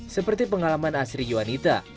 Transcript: seperti pengalaman asri ywanita